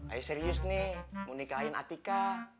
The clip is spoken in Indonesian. ayo serius nih mau nikahin atika